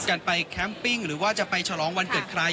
กันไปแคมปิ้งหรือว่าจะไปฉลองวันเกิดใคร